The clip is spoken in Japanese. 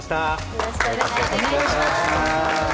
よろしくお願いします。